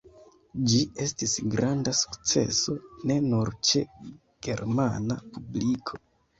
Ĝi estis granda sukceso, ne nur ĉe germana publiko.